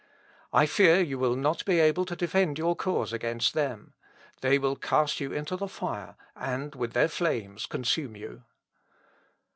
I fear you will not be able to defend your cause against them. They will cast you into the fire, and with their flames consume you."